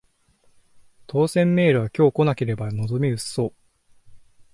当せんメールは今日来なければ望み薄そう